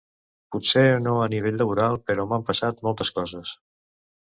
Potser no a nivell laboral, però m'han passat moltes coses.